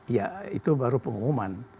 ya itu baru pengumuman